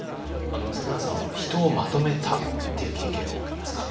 咲楽さんは人をまとめたっていう経験ありますか？